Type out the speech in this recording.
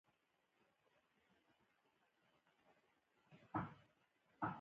او هم يې د بل سړي ځمکه په نيمايي نيولې وه.